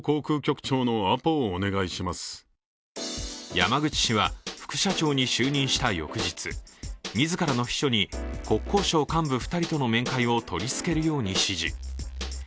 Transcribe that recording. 山口氏は副社長に就任した翌日、自らの秘書に国交省幹部２人との面会を取りつけるよう指示。